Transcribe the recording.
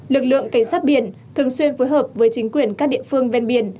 lực lượng cảnh sát biển thường xuyên phối hợp với chính quyền các địa phương ven biển